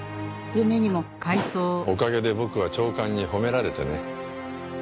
おかげで僕は長官に褒められてね。